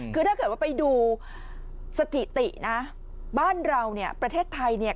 คือถ้าเกิดว่าไปดูสถิตินะบ้านเราเนี่ยประเทศไทยเนี่ย